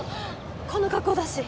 この格好だし。